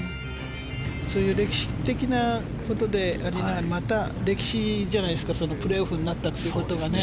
そういう歴史的なことでありながらまた歴史じゃないですかプレーオフになったってことがね。